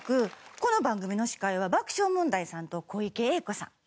この番組の司会は爆笑問題さんと小池栄子さん。